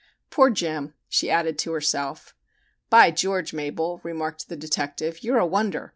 "Poor Jim!" she added to herself. "By George, Mabel," remarked the detective, "you're a wonder!